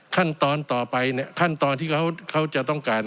ขั้นตอนต่อไปเนี่ยขั้นตอนที่เขาจะต้องการ